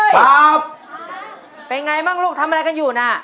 ก็ยังไงบ้างลูกทำอะไรกันอยู่นะ